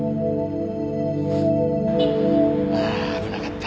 ああ危なかった。